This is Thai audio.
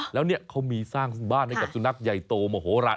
แล้วเนี่ยเขามีสร้างบ้านให้กับสุนัขใหญ่โตมโหลาน